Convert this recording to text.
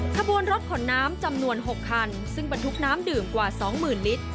ขบวนรถขนน้ำจำนวน๖คันซึ่งบรรทุกน้ำดื่มกว่า๒๐๐๐ลิตร